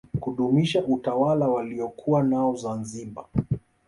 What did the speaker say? kudumisha utawala waliokuwa nao zanziba